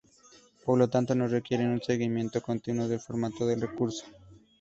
Por lo tanto, no requiere un seguimiento continuo del formato del recurso.